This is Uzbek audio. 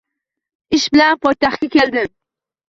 Ish bilan poytaxtga keldim